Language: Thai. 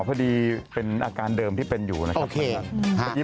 พอดีเป็นอาการเดิมที่เป็นอยู่นะครับ